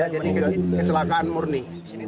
jadi kecelakaan murni